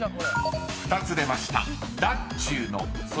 ［２つ出ました］